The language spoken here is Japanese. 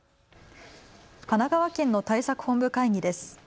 神奈川県の対策本部会議です。